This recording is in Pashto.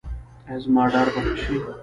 ایا زما ډار به ښه شي؟